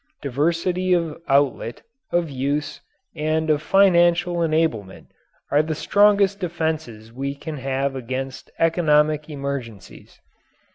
Diversity of outlet, of use, and of financial enablement, are the strongest defenses we can have against economic emergencies.